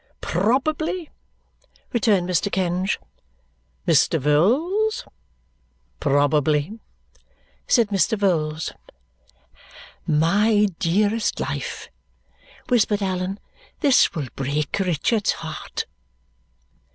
"Probably," returned Mr. Kenge. "Mr. Vholes?" "Probably," said Mr. Vholes. "My dearest life," whispered Allan, "this will break Richard's heart!"